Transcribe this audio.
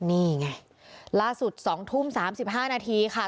นี่ไงล่าสุด๒ทุ่ม๓๕นาทีค่ะ